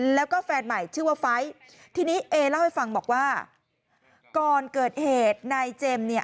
แล้วก็แฟนใหม่ชื่อว่าไฟล์ทีนี้เอเล่าให้ฟังบอกว่าก่อนเกิดเหตุนายเจมส์เนี่ย